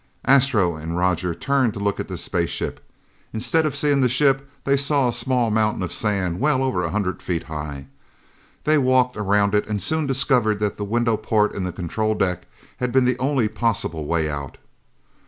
Astro and Roger turned to look at the spaceship. Instead of seeing the ship, they saw a small mountain of sand, well over a hundred feet high. They walked around it and soon discovered that the window port in the control deck had been the only possible way out.